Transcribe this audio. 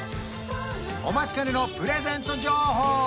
お待ちかねのプレゼント情報